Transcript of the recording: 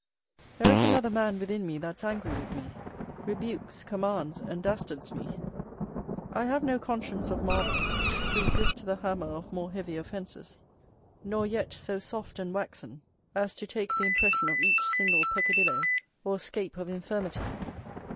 There is another man within me that's angry with me, rebukes, commands, and dastards me. I have no conscience of marble, to resist the hammer of more heavy offences: nor yet so soft and waxen, as to take the impression of each single peccadillo or scape of infirmity.